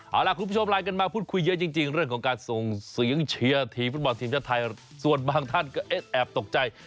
เอาล่ะคุณผู้ชมไลน์กันมาพูดคุยเยอะจริงเรื่องของการส่งเสียงเชียร์ทีมฟุตบอลทีมชาติไทยส่วนบางท่านก็เอ๊ะแอบตกใจ